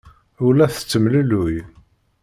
Ur la tettemlelluy.